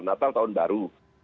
natal tahun baru